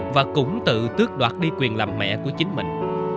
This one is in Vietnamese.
và cũng tự tước đoạt đi quyền làm mẹ của chính mình